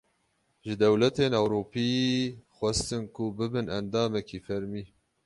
Ji dewletên Ewropî, xwestin ku bibin endamekî fermî